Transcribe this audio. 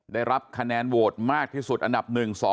ได้รับคะแนนโหวตมากที่สุดอันดับ๑๒